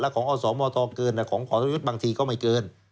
ของอสมทเกินของขอสยุทธ์บางทีก็ไม่เกิน